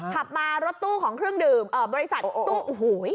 ขับมารถตู้ของเครื่องดื่มบริษัทตู้โอ้โห